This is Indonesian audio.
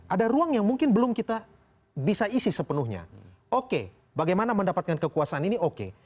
ada ruang yang mungkin belum kita bisa isi sepenuhnya oke bagaimana mendapatkan kekuasaan ini oke